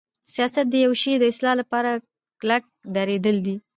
سیاست د یوشی د اصلاح لپاره کلک دریدل دی.